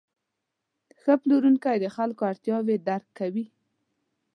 ښه پلورونکی د خلکو اړتیاوې درک کوي.